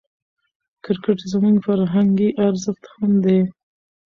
کرکټ زموږ فرهنګي ارزښت هم دئ.